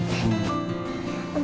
mbak ii makasih ya udah datang kesini